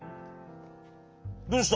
どうした？